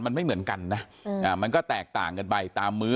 มันไม่เหมือนกันนะมันก็แตกต่างกันไปตามมื้อ